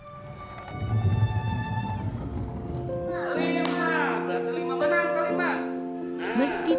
meski tak pernah menempuh pendidikan di smpt